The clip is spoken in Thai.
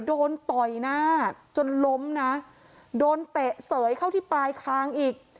ต่อยหน้าจนล้มนะโดนเตะเสยเข้าที่ปลายคางอีก